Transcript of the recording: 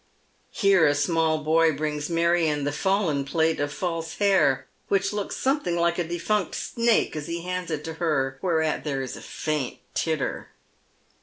Here a small boy brings Marion the fallen plait of false hair, which looks something like a defunct snake as he hands it to her, whereat there is a faint titter.